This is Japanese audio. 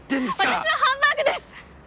私はハンバーグです！